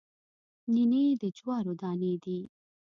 نینې د جوارو دانې دي